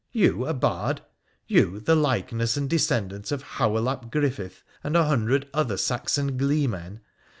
You a bard ! You the likenes3 and descendant of Howell ap Griffith and an hundred other Saxon gleemen